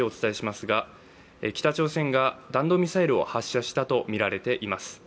北朝鮮が弾道ミサイルを発射したとみられています。